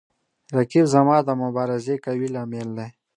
رقیب زما د مبارزې قوي لامل دی